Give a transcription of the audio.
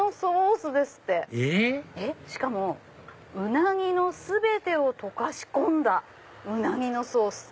しかも「ウナギの全てを溶かし込んだウナギのソース。